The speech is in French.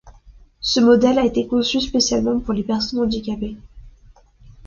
Ce modèle a été conçu spécialement pour les personnes handicapées.